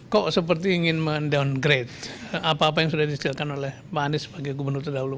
kok seperti ingin men downgrade apa apa yang sudah disediakan oleh pak anies sebagai gubernur terdahulu